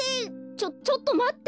ちょちょっとまって。